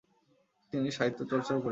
তিনি সাহিত্য চর্চাও করেছেন।